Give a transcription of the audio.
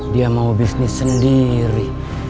dia mau bisnis sendiri